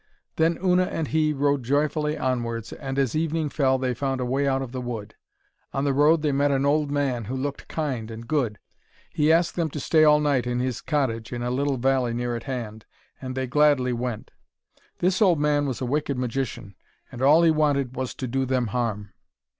Then Una and he rode joyfully onwards, and, as evening fell, they found a way out of the wood. On the road they met an old man who looked kind and good. He asked them to stay all night in his cottage in a little valley near at hand, and they gladly went. This old man was a wicked magician, and all he wanted was to do them harm.